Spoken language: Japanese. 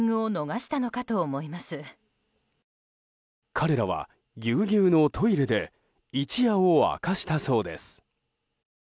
彼らはギュウギュウのトイレで一夜を明かしたそうです。